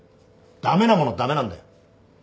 駄目なものは駄目なんだよ。